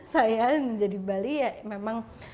saya menjadi bali ya memang